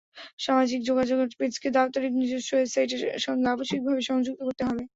সামাজিক যোগাযোগের পেজকে দাপ্তরিক নিজস্ব ওয়েবসাইটের সঙ্গে আবশ্যিকভাবে সংযুক্ত করতে হবে।